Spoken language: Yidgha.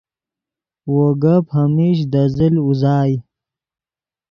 وو گپ ہمیش دے زل اوزائے